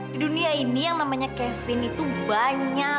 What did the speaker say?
di dunia ini yang namanya kevin itu banyak